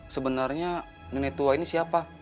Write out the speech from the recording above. sebenarnya nenek tua ini siapa